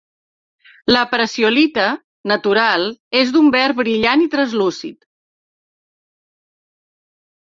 La prasiolita natural és d'un verd brillant i translúcid.